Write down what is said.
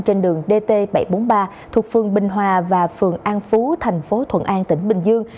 trên đường dt bảy trăm bốn mươi ba thuộc phường bình hòa và phường an phú thành phố thuận an tỉnh bình dương